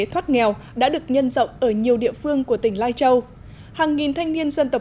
thoát nghèo đã được nhân rộng ở nhiều địa phương của tỉnh lai châu hàng nghìn thanh niên dân tộc